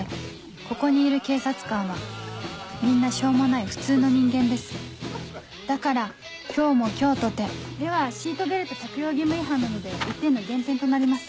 ここにいる警察官はみんなしょうもない普通の人間ですだから今日も今日とてではシートベルト着用義務違反なので１点の減点となります。